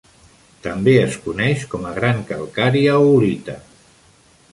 També es coneix com a gran calcària oolita.